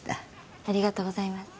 ありがとうございます。